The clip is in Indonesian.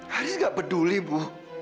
haris nggak peduli bu